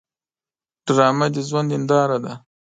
ډرامه د ژوند هنداره ده